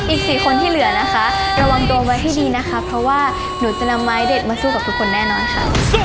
อีก๔คนที่เหลือนะคะระวังตัวไว้ให้ดีนะคะเพราะว่าหนูจะนำไม้เด็ดมาสู้กับทุกคนแน่นอนค่ะ